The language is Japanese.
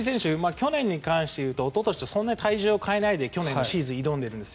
去年に関していうとおととしとそんなに体重を変えないで去年のシーズンに挑んでいるんです。